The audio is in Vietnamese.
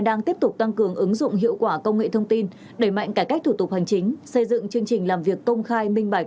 đang tiếp tục tăng cường ứng dụng hiệu quả công nghệ thông tin đẩy mạnh cải cách thủ tục hành chính xây dựng chương trình làm việc công khai minh bạch